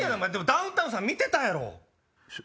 ダウンタウンさん見てたやろ！